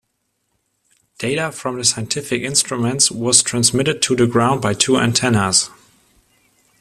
Data from the scientific instruments was transmitted to the ground by two antennas.